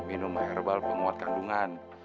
minum herbal penguat kandungan